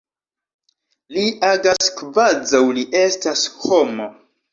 Li agas kvazaŭ li estas homo.